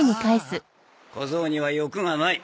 小僧には欲がない。